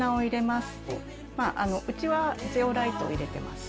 まあうちはゼオライトを入れてます。